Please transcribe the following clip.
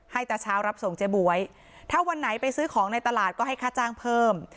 ตาเช้ารับส่งเจ๊บ๊วยถ้าวันไหนไปซื้อของในตลาดก็ให้ค่าจ้างเพิ่ม